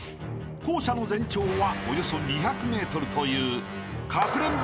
［校舎の全長はおよそ２００ｍという］